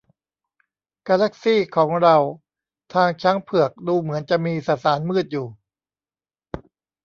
กาแลคซีของเราทางช้างเผือกดูเหมือนจะมีสสารมืดอยู่